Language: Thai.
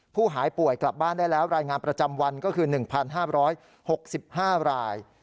หายป่วยกลับบ้านได้แล้วรายงานประจำวันก็คือ๑๕๖๕ราย